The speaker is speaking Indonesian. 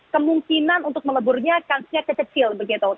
kemungkinan untuk meleburnya kecil begitu